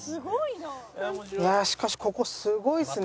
いやしかしここすごいですね。